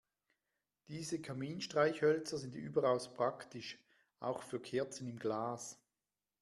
Diese Kaminstreichhölzer sind überaus praktisch, auch für Kerzen im Glas.